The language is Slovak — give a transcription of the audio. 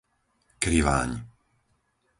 Kriváň